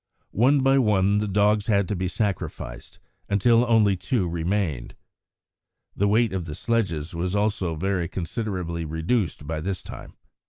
One by one the dogs had to be sacrificed until only two remained. The weight of the sledges was also very considerably reduced by this time.